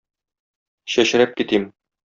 Чәчрәп китим!